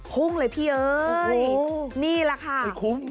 คุ้มเลยพี่เอ๊ยโอ้โหนี่แหละค่ะไม่คุ้ม